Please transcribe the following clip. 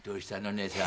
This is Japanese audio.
姉さん」